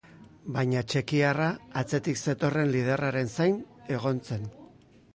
Baina txekiarra atzetik zetorren liderraren zain egon zen.